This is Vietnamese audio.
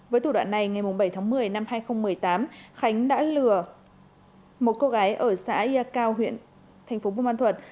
với thủ đoạn này ngày bảy tháng một mươi năm hai nghìn một mươi tám khánh đã lừa một cô gái ở xã yakao huyện tp bung ma thuật